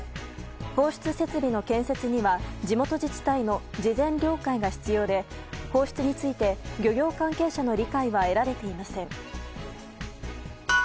放出設備の建設には地元自治体の事前了解が必要で放出について漁業関係者の理解は得られていません。